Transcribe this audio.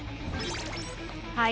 はい。